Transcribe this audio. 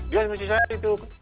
dia kunci sana itu